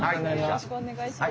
よろしくお願いします。